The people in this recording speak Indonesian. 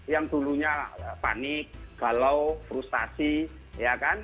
yang dulunya panik galau frustasi ya kan